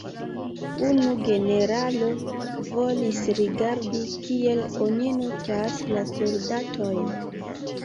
Unu generalo volis rigardi, kiel oni nutras la soldatojn.